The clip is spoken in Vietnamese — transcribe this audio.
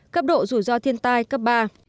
cấp độ rủi ro thiên tai cấp ba